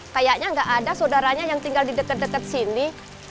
kayaknya nggak ada saudaranya yang tinggal di dekat dekat sini